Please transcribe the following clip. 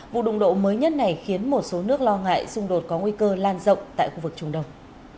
vụ đụng độ mới nhất này khiến một số nước lo ngại xung đột có nguy cơ lan rộng tại khu vực trung đông